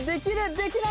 できない？